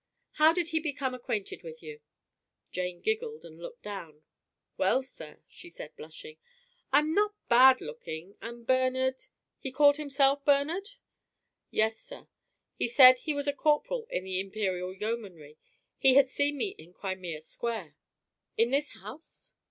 "How did he become acquainted with you?" Jane giggled and looked down. "Well, sir," she said, blushing, "I am not bad looking and Bernard " "He called himself Bernard?" "Yes, sir. He said he was a corporal in the Imperial Yeomanry. He had seen me in Crimea Square." "In this house?"